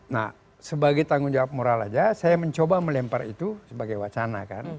nah sebagai tanggung jawab moral aja saya mencoba melempar itu sebagai wacana kan